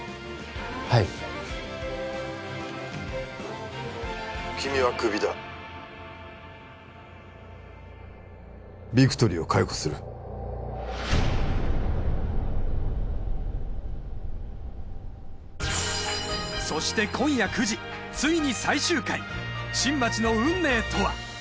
はい☎君はクビだビクトリーを解雇するそして今夜９時ついに最終回新町の運命とは！？